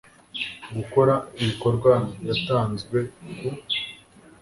GUKORA IBIKORWAYatanzwe k